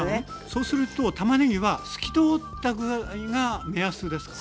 そうするとたまねぎは透き通ったぐらいが目安ですか？